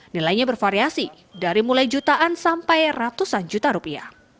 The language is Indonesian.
nilainya bervariasi dari mulai jutaan sampai ratusan juta rupiah